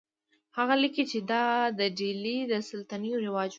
هغه لیکي چې دا د ډیلي د سلاطینو رواج و.